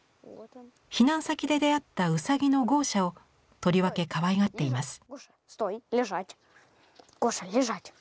避難先で出会ったうさぎのゴーシャをとりわけかわいがっています。